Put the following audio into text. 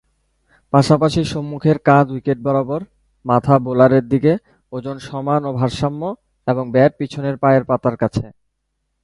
পাশাপাশি সম্মুখের কাঁধ উইকেট বরাবর, মাথা বোলারের দিকে, ওজন সমান ও ভারসাম্য এবং ব্যাট পিছনের পায়ের পাতার কাছে।